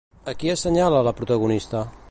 A qui assenyala la protagonista?